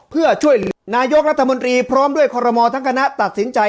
เพื่อช่วยนายกรัฐมนตรีพร้อมด้วยคอรมอลทั้งคณะตัดสินใจ